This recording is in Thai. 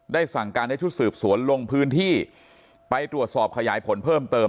สั่งการให้ชุดสืบสวนลงพื้นที่ไปตรวจสอบขยายผลเพิ่มเติม